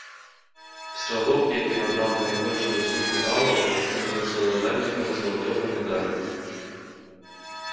Стралок, які набраў найбольшую суму балаў, становіцца ўладальнікам залатога медалю.